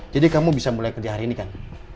jadi kamu bisa mulai kerja hari ini kan